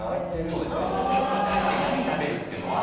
そうですね。に対して「何食べる？」っていうのは。